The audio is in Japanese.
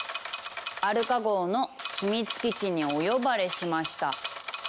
「アルカ号の秘密基地にお呼ばれしました」。